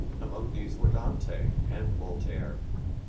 Among these were Dante and Voltaire.